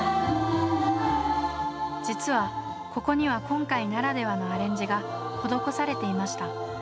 実はここには今回ならではのアレンジが施されていました。